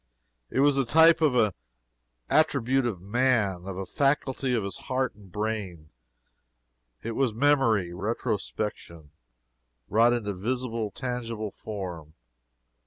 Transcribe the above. It was the type of an attribute of man of a faculty of his heart and brain. It was MEMORY RETROSPECTION wrought into visible, tangible form.